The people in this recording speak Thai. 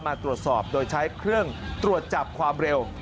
มาตรวจสอบโดยใช้เครื่องตรวจจับความเร็ว